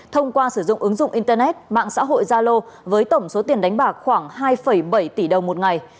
thông qua sử dụng ứng dụng internet mạng xã hội zalo với tổng số tiền đánh bạc khoảng hai bảy tỷ đồng một ngày